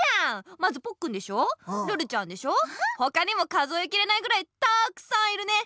まずポッくんでしょルルちゃんでしょほかにも数えきれないぐらいたくさんいるね！